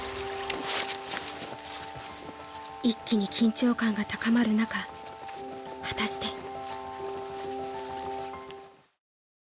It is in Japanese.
［一気に緊張感が高まる中果たして］